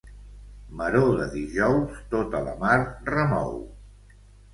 Maror de dijous tota la mar remou.